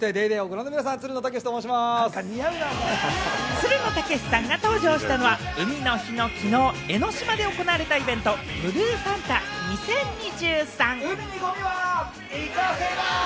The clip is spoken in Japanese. つるの剛士さんが登場したのは、海の日のきのう、江の島で行われたイベント、ブルーサンタ２０２３。